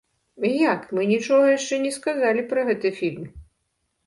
Як, мы нічога яшчэ не сказалі пра гэты фільм?